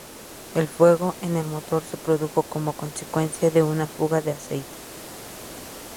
El fuego en el motor se produjo como consecuencia de una fuga de aceite.